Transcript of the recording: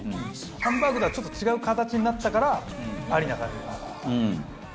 ハンバーグとはちょっと違う形になったからありな感じ。